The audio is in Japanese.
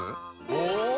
お！